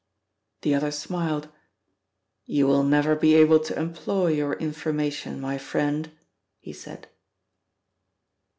The other smiled. "You will never be able to employ your information, my friend," he said.